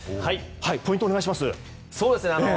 ポイント、お願いします。